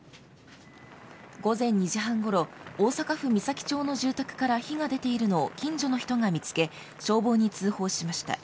午前２時半ごろ大阪府岬町の住宅から火が出ているのを近所の人が見つけ消防に通報しました。